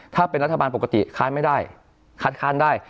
ถ้าเป็นรัฐบาลปกติค้านไม่ได้คัดค้านได้